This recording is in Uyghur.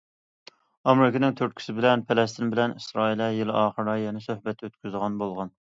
ئامېرىكىنىڭ تۈرتكىسى بىلەن، پەلەستىن بىلەن ئىسرائىلىيە يىل ئاخىرىدا يەنە سۆھبەت ئۆتكۈزىدىغان بولغان.